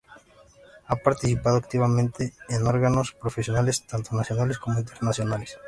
Ha participado activamente en órganos profesionales, tanto nacionales como internacionales.